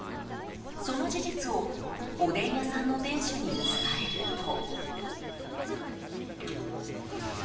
その事実を、おでん屋さんの店主に伝えると。